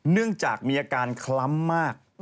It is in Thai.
เนื่องจากมีอาการคล้ำมาก